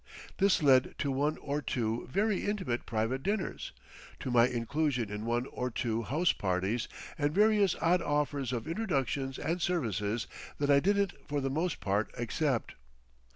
This led to one or two very intimate private dinners, to my inclusion in one or two house parties and various odd offers of introductions and services that I didn't for the most part accept.